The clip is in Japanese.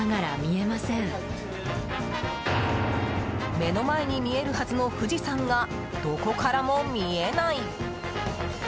目の前に見えるはずの富士山がどこからも見えない！